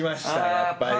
やっぱり。